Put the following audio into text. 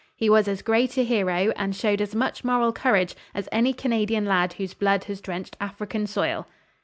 He was as great a hero, and showed as much moral courage, as any Canadian lad whose blood has drenched African soil."